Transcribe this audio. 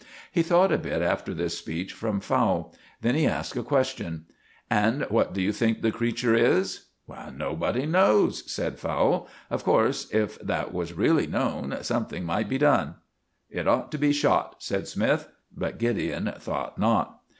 He thought a bit after this speech from Fowle. Then he asked a question. "And what do you think the creature is?" "Nobody knows," said Fowle. "Of course if that was really known, something might be done." "It ought to be shot," said Smythe; but Gideon thought not.